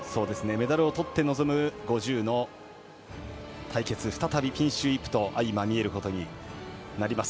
メダルをとって臨む５０の対決、再びピンシュー・イップと相まみえることになります。